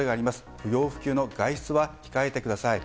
不要不急の外出は控えてください。